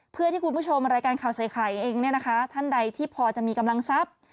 เพื่อที่คุณผู้ชมรายการข่าวใส่ไข่เองเนี่ยนะคะท่านใดที่พอจะมีกำลังทรัพย์